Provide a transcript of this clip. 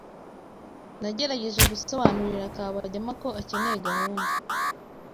Nagerageje gusobanurira Kabagema ko akeneye gahunda.